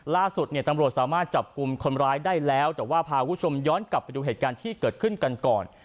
ล่าสุดเนี่ยตำรวจสามารถจับกลุ่มคนร้ายได้แล้วแต่ว่าพาคุณผู้ชมย้อนกลับไปดูเหตุการณ์ที่เกิดขึ้นกันก่อน